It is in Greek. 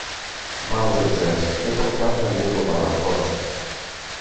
μα ο Τζοτζές ήταν πάντα λίγο παλαβός.